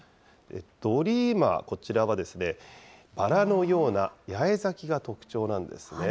ドリーマー、こちらはバラのような八重咲きが特徴なんですね。